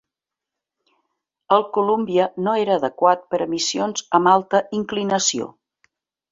El Columbia no era adequat per a missions amb alta inclinació.